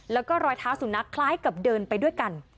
แล้วก็รอยเท้าสุนัขคล้ายกับเดินไปด้วยกัน